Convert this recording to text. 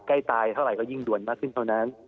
ใกล้ตายเท่าไหร่ก็ยิ่งด่วนมากขึ้นเท่านั้น